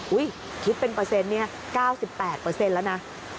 อุ๊ยคิดเป็นเปอร์เซ็นต์นี่๙๘เปอร์เซ็นต์แล้วนะ